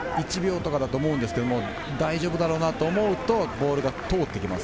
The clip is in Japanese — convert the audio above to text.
１秒とかだと思うんですけれど、大丈夫だろうなと思うと、ボールが通ってきます。